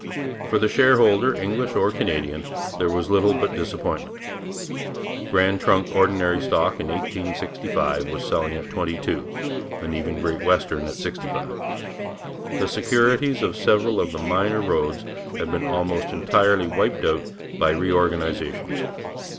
For the shareholder, English or Canadian, there was little but disappointment. Grand Trunk ordinary stock in 1865 was selling at 22, and even Great Western at 65. The securities of several of the minor roads had been almost entirely wiped out by reorganizations.